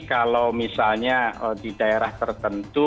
kalau misalnya di daerah tertentu